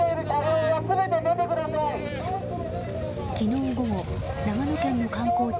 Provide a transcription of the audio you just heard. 昨日午後、長野県の観光地